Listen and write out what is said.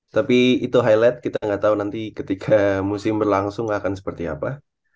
tapi itu highlight kita nggak tahu nanti ketika musim berlangsung akan seperti apa